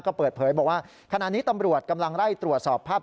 ก็เปิดเผยบอกว่าขณะนี้ตำรวจกำลังไล่ตรวจสอบภาพ